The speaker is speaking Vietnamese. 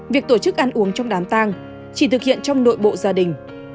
việc tổ chức ăn uống trong đám tăng chỉ thực hiện trong đội bộ gia đình